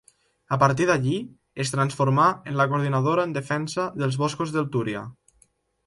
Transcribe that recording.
A partir d'allí es transformà en la Coordinadora en Defensa dels Boscos del Túria.